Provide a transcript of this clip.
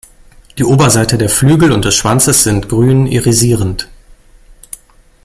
Die Oberseite der Flügel und des Schwanzes sind grün irisierend.